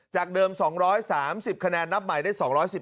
จากเดิม๒๓๐คะแนนนับใหม่ได้๒๑๘